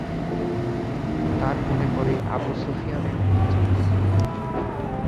তার মনে পড়ে আবু সুফিয়ানের ভীতু চেহারা।